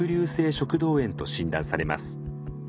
食道炎と診断されます。